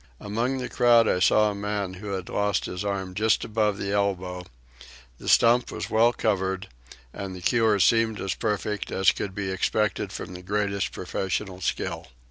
Among the crowd I saw a man who had lost his arm just above the elbow; the stump was well covered and the cure seemed as perfect as could be expected from the greatest professional skill.